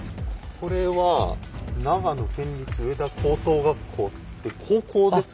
これは長野県立上田高等学校って高校ですか？